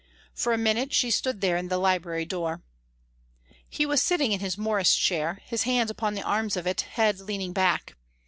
For a minute she stood there in the library door. He was sitting in his Morris chair, his hands upon the arms of it, his head leaning back.